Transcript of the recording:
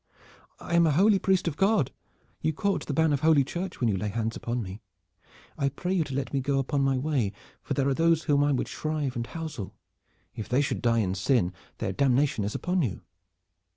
"I am a holy priest of God. You court the ban of holy Church when you lay hands upon me. I pray you let me go upon my way, for there are those whom I would shrive and housel. If they should die in sin, their damnation is upon you."